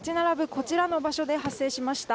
こちらの場所で発生しました。